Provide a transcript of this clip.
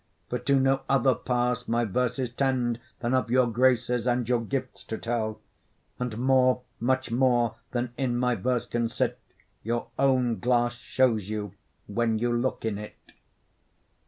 For to no other pass my verses tend Than of your graces and your gifts to tell; And more, much more, than in my verse can sit, Your own glass shows you when you look in it.